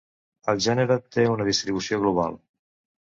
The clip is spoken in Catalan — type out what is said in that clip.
El gènere té una distribució global.